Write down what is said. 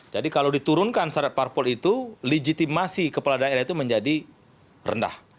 jadi kalau diturunkan syarat parpol itu legitimasi kepala daerah itu menjadi rendah